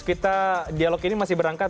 kita dialog ini masih berangkat